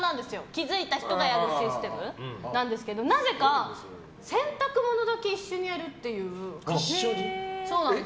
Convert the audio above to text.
気づいた人がやるシステムなんですけどなぜか洗濯物だけ一緒にやるという。